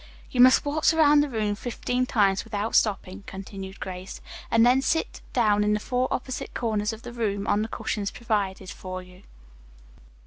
"You must waltz around the room fifteen times without stopping," continued Grace, "and then sit down in the four opposite corners of the room, on the cushions provided for you."